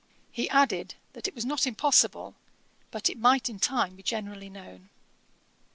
He added, that it was not impossible but it might in time be generally known.